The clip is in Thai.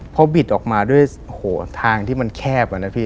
พอบิดออกมาด้วยทางที่มันแคบอะนะพี่